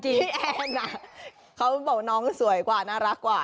พี่แอนเขาบอกน้องสวยกว่าน่ารักกว่า